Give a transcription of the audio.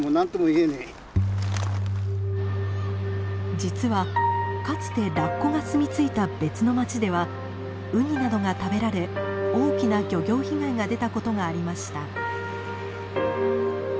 実はかつてラッコがすみ着いた別の町ではウニなどが食べられ大きな漁業被害が出たことがありました。